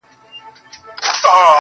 خو ژوند حتمي ستا له وجوده ملغلري غواړي.